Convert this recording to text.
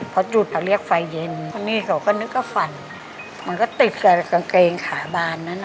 เพราะจุดเขาเรียกฝ่ายเย็นจริงเขนี่เขาก็นึกเขาฝันมันก็ติดกับกางเกงขาบานนั้นน่ะ